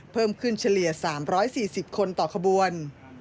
เพิ่มขึ้นเฉลี่ย๓๔๐คนต่อขบวน